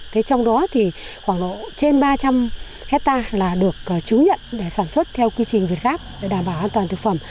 thế trong đó thì khoảng độ trên ba trăm linh hectare là được chứng nhận để sản xuất theo quy trình việt gáp để đảm bảo an toàn thực phẩm